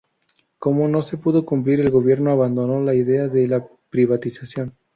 Como no se pudo cumplir, el gobierno abandonó la idea de la privatización.